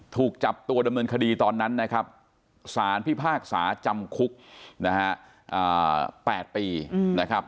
ถูกจับตัวดำเนินคดีตอนนั้นนะครับสารพิพากษาจำคุกนะฮะ๘ปีนะครับ